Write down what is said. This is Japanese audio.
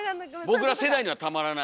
僕ら世代にはたまらない。